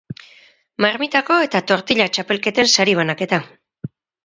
Marmitako eta tortilla txapelketen sari banaketa.